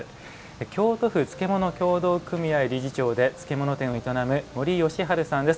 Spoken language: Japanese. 京都府漬物協同組合理事長で漬物店を営む森義治さんです。